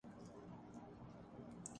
تو جگ ہنسائی ہو گی۔